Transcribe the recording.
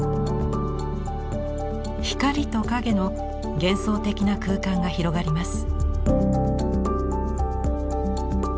光と影の幻想的な空間が広がります。